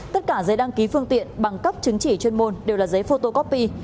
tất cả giấy đăng ký phương tiện bằng cấp chứng chỉ chuyên môn đều là giấy photocopy